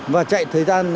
và chạy thời gian